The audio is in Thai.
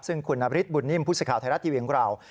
ซึ่งคุณนับฤทธิ์บุญนิมพุทธศิษยาข่าวไทยรัตน์ทีวียงกราว